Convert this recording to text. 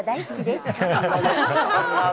大好きです！